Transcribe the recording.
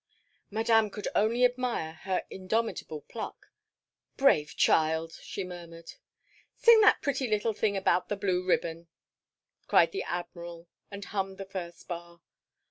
Madame could only admire her indomitable pluck. "Brave child!" she murmured. "Sing that pretty little thing about the blue ribbon," cried the Admiral, and hummed the first bar.